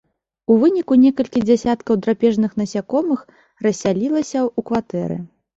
У выніку некалькі дзясяткаў драпежных насякомых рассялілася ў кватэры.